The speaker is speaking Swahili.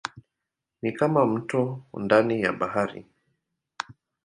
Ni kama mto ndani ya bahari.